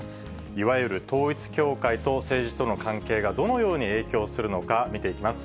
いわゆる統一教会と政治との関係がどのように影響するのか見ていきます。